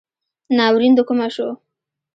ناورین دکومه شو